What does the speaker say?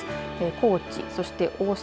高知、そして大阪。